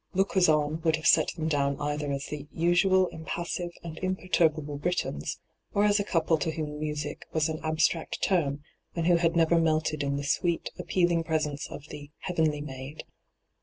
Lookers on would have set them down either as the usual impassive and imperturbable Britons, or as a couple to whom music was an abstract term, and who had never melted in the sweet, appealing presence of the 'heav'nly Maid.'